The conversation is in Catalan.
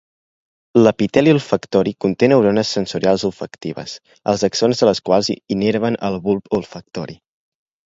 L'epiteli olfactori conté neurones sensorials olfactives, els axons de les quals innerven el bulb olfactori.